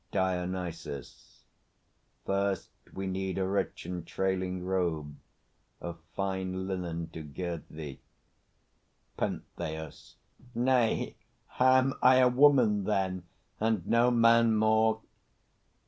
DIONYSUS. First we need A rich and trailing robe of fine linen To gird thee. PENTHEUS. Nay; am I a woman, then, And no man more?